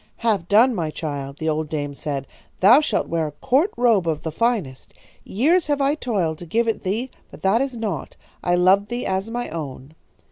"'Have done, my child,' the old dame said. 'Thou shalt wear a court robe of the finest. Years have I toiled to give it thee, but that is naught. I loved thee as my own.'